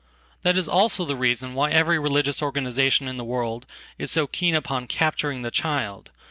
That is also the reason why every religionsorganization in the world is so keen upon capturing the child.